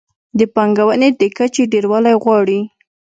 د پانګونې د کچې ډېروالی غواړي.